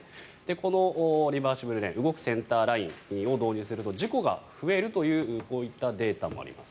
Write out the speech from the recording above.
このリバーシブルレーン動くセンターラインを導入すると事故が増えるというこういったデータもあります。